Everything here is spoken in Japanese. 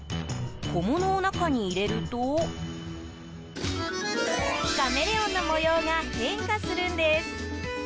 小物を中に入れるとカメレオンの模様が変化するんです。